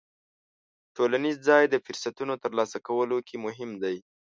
ټولنیز ځای د فرصتونو ترلاسه کولو کې مهم دی.